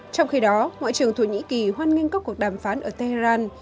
trong khi đó ngoại trưởng thổ nhĩ kỳ hoan nghênh các cuộc đàm phán ở tehran